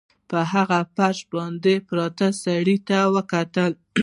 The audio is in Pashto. هغه په فرش باندې پروت سړي ته وکتل